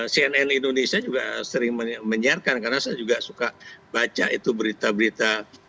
cnn indonesia juga sering menyiarkan karena saya juga suka baca itu berita berita